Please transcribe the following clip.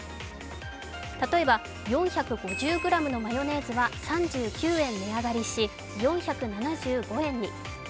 例えば、４５０ｇのマヨネーズは３９円値上がりし、４７５円に。